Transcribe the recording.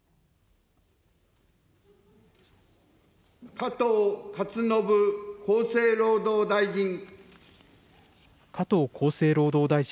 加藤勝信厚生労働大臣。